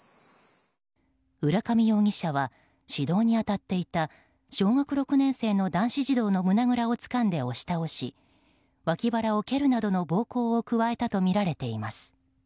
浦上容疑者は指導に当たっていた小学６年生の小学６年生の男子の胸ぐらをつかんで押し倒し脇腹を蹴るなどの暴行を加えたとみられています。